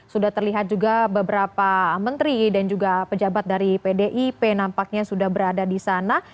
sudah terlihat juga beberapa menteri dan juga pejabat dari pdip nampaknya sudah berada di sana